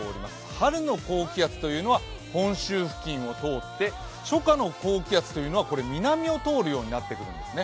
春の高気圧というのは本州付近を通って初夏の高気圧というのは南を通るようになっているんですね。